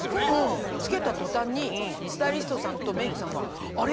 着けた途端にスタイリストさんとメイクさんが「あれ？